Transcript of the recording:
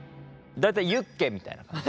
大体ユッケみたいな感じ。